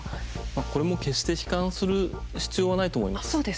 これも決して悲観する必要はないと思います。